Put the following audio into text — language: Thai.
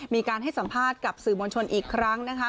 มีการให้สัมภาษณ์กับสื่อมวลชนอีกครั้งนะคะ